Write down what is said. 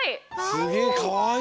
すげえかわいい！